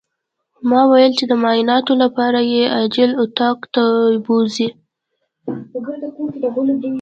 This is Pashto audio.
ما ويل چې د معايناتو لپاره يې عاجل اتاق ته بوځئ.